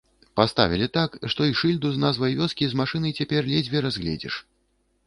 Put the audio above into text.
Паставілі так, што й шыльду з назвай вёскі з машыны цяпер ледзьве разгледзіш.